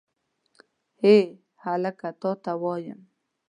هې هلکه تا ته وایم.